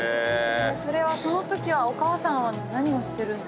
そのときはお母さんは何をしてるんですか？